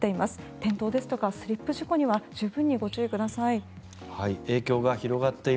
転倒ですとかスリップ事故には十分ご注意ください。